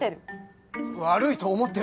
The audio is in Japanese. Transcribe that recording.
悪いと思ってる。